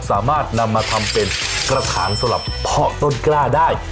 สามารถนำมาทำเป็นกระถางสำหรับเพาะต้นกล้าได้